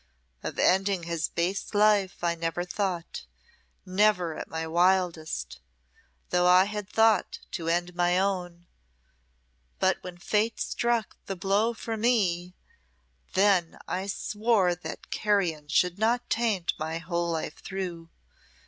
Of ending his base life I never thought, never at my wildest, though I had thought to end my own; but when Fate struck the blow for me, then I swore that carrion should not taint my whole life through.